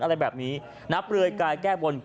อะไรแบบนี้นับเปลือยกายแก้บน